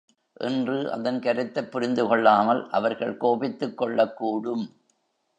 என்று அதன் கருத்தைப் புரிந்துகொள்ளாமல் அவர்கள் கோபித்துக் கொள்ளக் கூடும்.